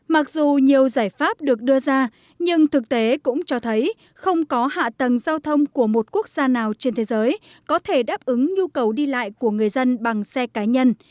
mặc dù nhiều giải pháp được đưa ra nhưng thực tế cũng cho thấy không có hạ tầng giao thông của một quốc gia nào trên thế giới có thể đáp ứng nhu cầu đi lại của người dân bằng xe cá nhân